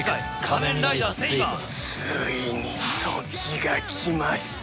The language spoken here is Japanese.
ついに時が来ました。